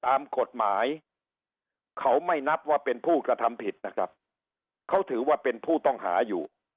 ตามกฎหมายเขาไม่นับว่าเป็นผู้กระทำผิดนะครับเขาถือว่าเป็นผู้ต้องหาอยู่